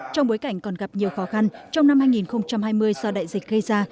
trong bối cảnh còn gặp nhiều khó khăn trong năm hai nghìn hai mươi do đại dịch gây ra